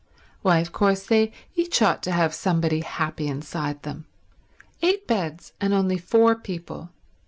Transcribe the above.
Why, of course they each ought to have somebody happy inside them. Eight beds, and only four people.